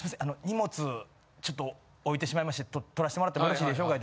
荷物ちょっと置いてしまいまして取らしてもらってもよろしいでしょうか？